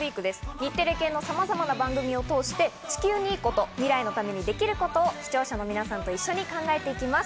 日テレ系のさまざまな番組を通して地球にいいこと、未来のためにできることを視聴者の皆さんと一緒に考えていきます。